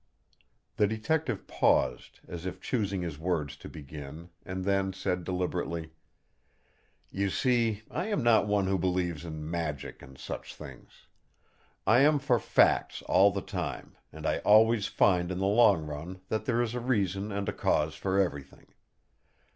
The Detective paused, as if choosing his words to begin; and then said deliberately: "You see, I am not one who believes in magic and such things. I am for facts all the time; and I always find in the long run that there is a reason and a cause for everything.